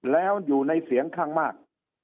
แล้วอยู่ในเสียงข้างมาก